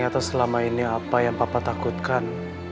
ini apa yang papa takutkan